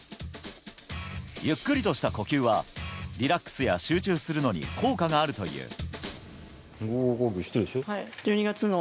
ゆっくりとした呼吸はリラックスや集中するのに効果があるという。